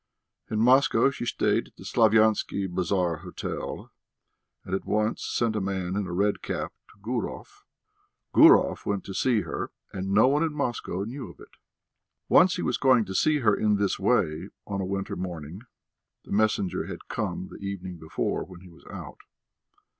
In Moscow she stayed at the Slaviansky Bazaar hotel, and at once sent a man in a red cap to Gurov. Gurov went to see her, and no one in Moscow knew of it. Once he was going to see her in this way on a winter morning (the messenger had come the evening before when he was out).